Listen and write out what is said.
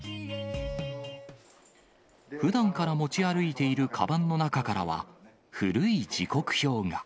ふだんから持ち歩いているかばんの中からは、古い時刻表が。